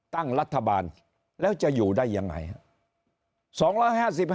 ตั้งรัฐบาลแล้วจะอยู่ได้ยังไงครับ